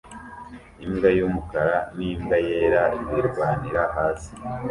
Imbwa y'umukara n'imbwa yera birwanira hasi